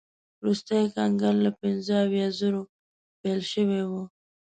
وروستی کنګل له پنځه اویا زرو پیل شوی و.